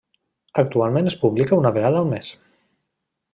Actualment es publica una vegada al mes.